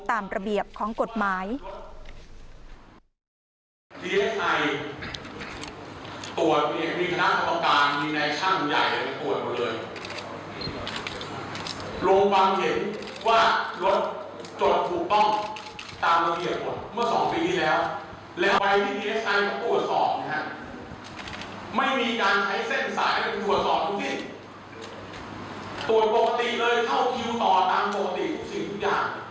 ตามระเบียบของกฎหมาย